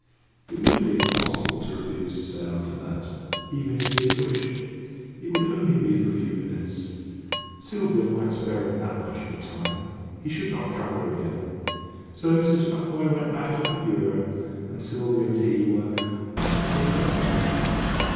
It would have been impossible to refuse to stay after that even if he had wished. It would only be for a few minutes. Sylvia might spare him that much of her time. He should not trouble her again. So Mrs. Futvoye went back to her bureau, and Sylvia and he were practically alone.